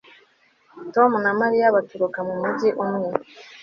Tom na Mariya baturuka mu mujyi umwe